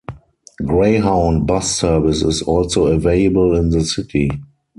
Greyhound bus service is also available in the city.